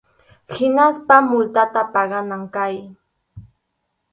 Hinaspa multata paganan kaq.